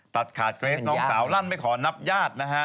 ตัดขาดเกรสน้องสาวลั่นไม่ขอนับญาตินะฮะ